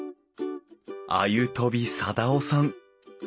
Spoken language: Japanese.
鮎飛定男さん。